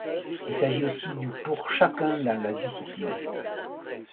Il s'agit aussi du pour chacun dans la discipline.